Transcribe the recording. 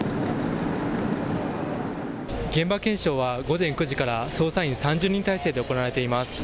現場検証は午前９時から捜査員３０人態勢で行われています。